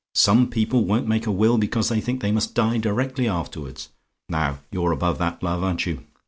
Some people won't make a will, because they think they must die directly afterwards. Now, you're above that, love, aren't you?